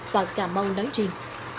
và cà mau nói riêng